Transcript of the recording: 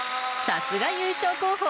さすが、優勝候補。